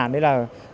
nên là rất khó khăn